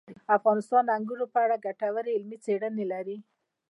افغانستان د انګورو په اړه ګټورې علمي څېړنې لري.